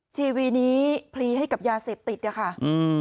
ชีวิตนี้พลีให้กับยาเสพติดนะคะอืม